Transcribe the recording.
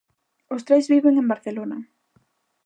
Os tres viven en Barcelona.